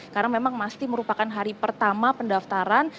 karena memang masih merupakan hari pertama pendaftaran